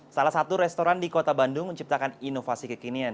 salah satu restoran di kota bandung menciptakan inovasi kekinian